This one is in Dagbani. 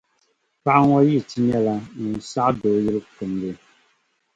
Paɣa ŋɔ yi ti nyɛla ŋun saɣi dooyili kundi.